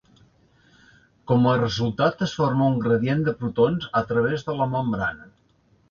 Com a resultat es forma un gradient de protons a través de la membrana.